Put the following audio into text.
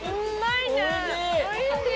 おいしい。